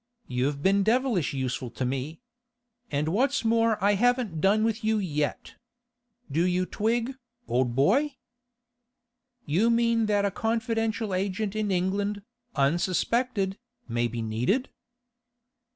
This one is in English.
You've been devilish useful to me; and what's more I haven't done with you yet. Do you twig, old boy?' 'You mean that a confidential agent in England, unsuspected, may be needed?